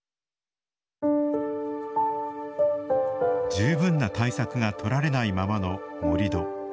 十分な対策が取られないままの盛土。